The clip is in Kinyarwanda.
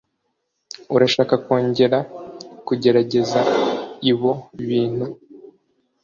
Urashaka kongera kugerageza ibo bintu?